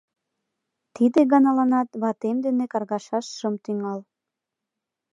Тиде ганаланат ватем дене каргашаш шым тӱҥал.